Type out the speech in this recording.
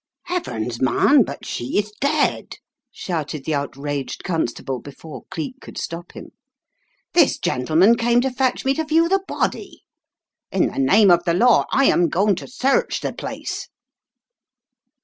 "Heavens! man, bift she is dead," shouted the out raged constable before Cleek could stop him. "This gentleman came to fetch me to view the body. In the name of the law, I am going to search the place."